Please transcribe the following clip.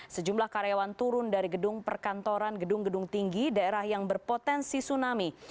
sejumlah karyawan turun dari gedung perkantoran gedung gedung tinggi daerah yang berpotensi tsunami